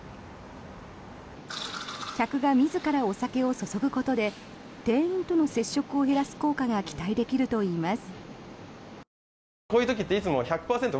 客が自らお酒を注ぐことで店員との接触を減らす効果が期待できるといいます。